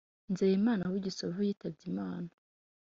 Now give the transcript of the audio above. nzeyimana w’i gisovu yitabbye imana